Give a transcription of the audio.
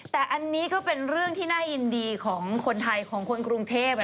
แต่อันนี้ก็เป็นเรื่องที่น่ายินดีของคนไทยของคนกรุงเทพ